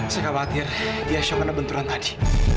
saya khawatir dia syok karena benturan tadi